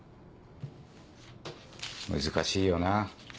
難しいよな。